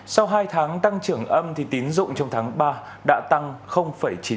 sau hai tháng tăng trưởng âm thì tín dụng trong tháng ba đã tăng chín mươi tám